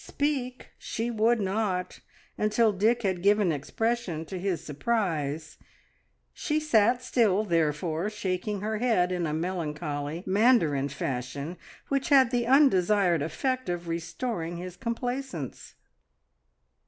Speak she would not, until Dick had given expression to his surprise. She sat still, therefore, shaking her head in a melancholy mandarin fashion, which had the undesired effect of restoring his complacence.